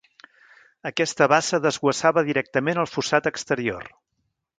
Aquesta bassa desguassava directament al fossat exterior.